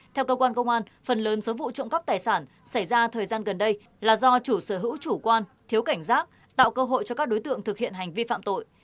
theo cơ quan công an phần lớn số vụ trộm cắp tài sản xảy ra thời gian gần đây là do chủ sở hữu chủ quan thiếu cảnh giác tạo cơ hội cho các đối tượng thực hiện hành vi phạm tội